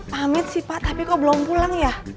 pamit sih pak tapi kok belum pulang ya